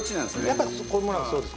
やっぱりこういうものはそうです。